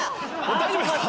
大丈夫ですか？